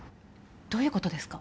どういうことですか？